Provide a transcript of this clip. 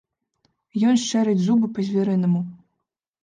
Ён шчэрыць зубы па-звярынаму.